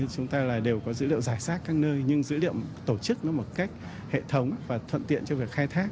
chúng ta đều có dữ liệu giải sát các nơi nhưng dữ liệu tổ chức nó một cách hệ thống và thuận tiện cho việc khai thác